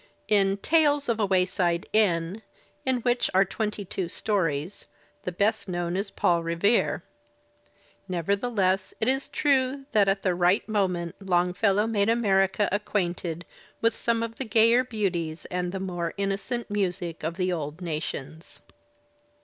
In "Tales of a Wayside Inn," in which are twenty two stories, the best known is "Paul Revere." Nevertheless it is true that at the right moment Longfellow made America acquainted with some of the gayer beauties and the more innocent music of the old nations.